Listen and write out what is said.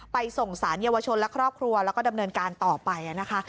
ส่งสารเยาวชนและครอบครัวแล้วก็ดำเนินการต่อไปนะคะ